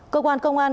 cơ quan công an